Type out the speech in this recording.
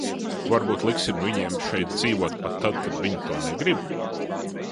Varbūt liksim viņiem šeit dzīvot pat tad, kad viņi to negrib?